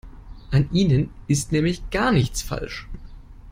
An ihnen ist nämlich gar nichts falsch.